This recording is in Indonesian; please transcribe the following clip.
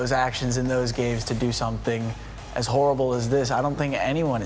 namun salah satu siswa penyintas dalam penembakan florida